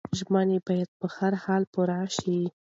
ژمنې باید په هر حال پوره شي.